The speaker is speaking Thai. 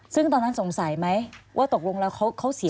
ซึ่งตอนนั้นสงสัยไหมว่าตกลงแล้วเขาเสีย